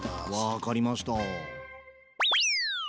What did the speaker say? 分かりました。